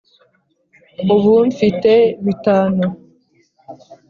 ubu mfite bitanu!